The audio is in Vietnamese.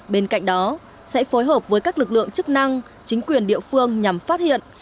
bên cạnh đó sẽ phối hợp với các lực lượng chức năng chính quyền địa phương nhằm phát hiện